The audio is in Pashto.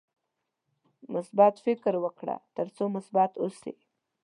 مثبت فکر وکړه ترڅو مثبت اوسې.